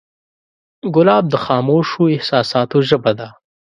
ګلاب د خاموشو احساساتو ژبه ده.